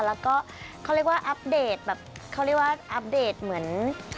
แล้วก็เขาเรียกว่าอัปเดตแบบเขาเรียกว่าอัปเดตเหมือน